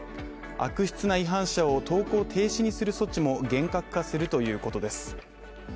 悪質な違反者を投稿停止にする措置も厳格化するということです。